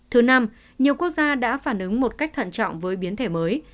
thứ năm nhiều quốc gia đã phản ứng một cách thận trọng với biến thể mới